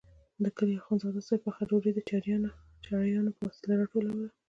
د کلي اخندزاده صاحب پخه ډوډۍ د چړیانو په وسیله راټولوله.